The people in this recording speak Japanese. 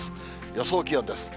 予想気温です。